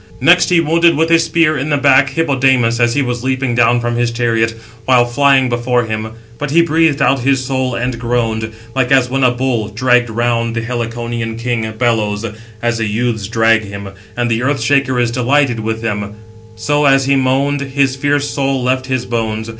Next he wounded with his spear in the back, Hippodamas, as he was leaping down from his chariot, while flying before him. But he breathed out his soul, and groaned, like as when a bull, dragged round the Heliconian king, 665 bellows, as the youths drag him; and the earth shaker is delighted with them: so, as he moaned, his fierce soul left his bones.